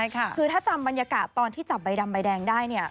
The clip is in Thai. คือถ้าจำบรรยากาศตอนที่จับใบดำใบแดงได้เนี่ย